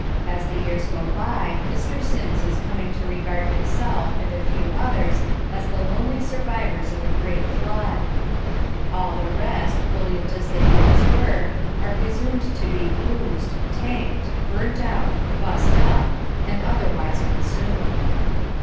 As the years go by Mr. Sims is coming to regard himself and a few others as the lonely survivors of a great flood. All the rest, brilliant as they once were, are presumed to be "boozed," "tanked," "burnt out," "bust up," and otherwise consumed.